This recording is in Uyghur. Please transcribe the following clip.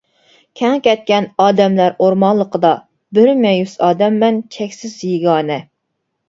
كەڭ كەتكەن ئادەملەر ئورمانلىقىدا، بىر مەيۈس ئادەممەن چەكسىز يېگانە.